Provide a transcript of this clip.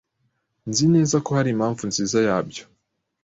Nzi neza ko hari impamvu nziza yabyo.